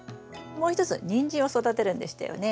もう一つニンジンを育てるんでしたよね。